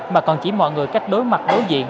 mà còn chỉ mọi người cách đối mặt đối diện